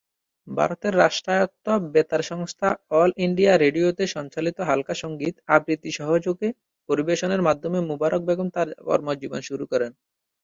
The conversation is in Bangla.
ভারতের রাষ্ট্রায়ত্ত বেতার সংস্থা অল ইন্ডিয়া রেডিওতে সঞ্চালিত হালকা সঙ্গীত আবৃত্তি সহযোগে পরিবেশনের মাধ্যমে মুবারক বেগম তার কর্মজীবন শুরু করেন।